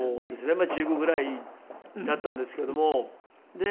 まあ１５ぐらいだったんですけども。